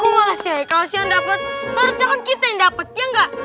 kok malah si hai kalau si yang dapet seharusnya kan kita yang dapet ya gak